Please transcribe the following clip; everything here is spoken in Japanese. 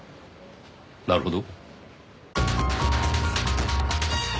なるほど。